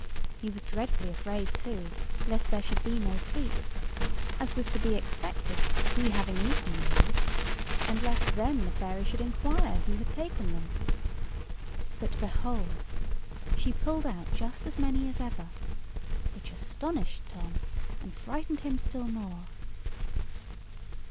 He was dreadfully afraid, too, lest there should be no sweets—as was to be expected, he having eaten them all—and lest then the fairy should inquire who had taken them. But, behold! she pulled out just as many as ever, which astonished Tom, and frightened him still more.